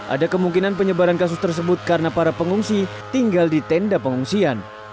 ada kemungkinan penyebaran kasus tersebut karena para pengungsi tinggal di tenda pengungsian